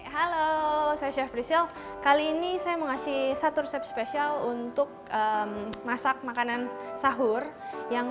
halo saya chef pricil kali ini saya mengasih satu resep spesial untuk masak makanan sahur yang